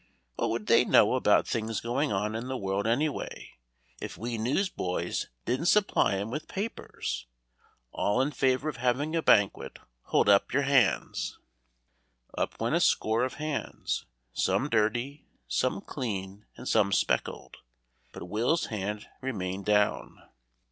What would they know about things going on in the world anyway, if we newsboys didn't supply 'em with papers? All in favor of having a banquet, hold up yer hands!" Up went a score of hands some dirty, some clean and some speckled, but Will's hand remained down.